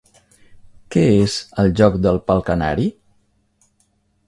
Què és el joc del pal canari?